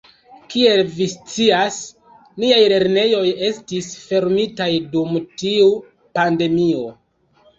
Kiel vi scias, niaj lernejoj estis fermitaj dum tiu pandemio.